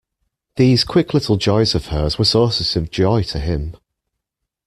These quick little joys of hers were sources of joy to him.